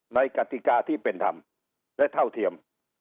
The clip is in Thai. กติกาที่เป็นธรรมและเท่าเทียม